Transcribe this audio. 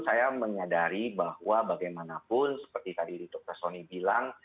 saya menyadari bahwa bagaimanapun seperti tadi dr sony bilang